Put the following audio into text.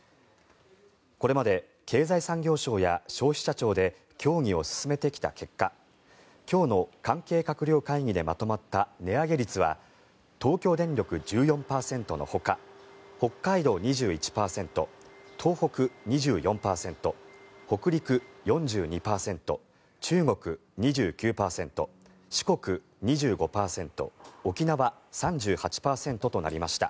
これまで経済産業省や消費者庁で協議を進めてきた結果今日の関係閣僚会議でまとまった値上げ率は東京電力、１４％のほか北海道、２１％東北、２４％北陸、４２％中国、２９％四国、２５％沖縄、３８％となりました。